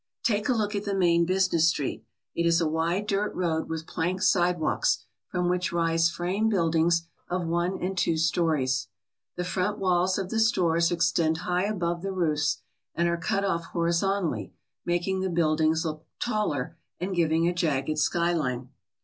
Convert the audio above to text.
Take a look at the main business street. It is a wide dirt road with plank sidewalks from which rise frame buildings of one and two stories. The front walls of the stores extend high above the roofs and are cut off hori zontally, making the buildings look taller, and giving a jagged skyline.